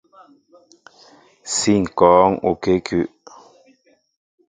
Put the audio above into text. Si ŋkɔɔŋ okěkúw.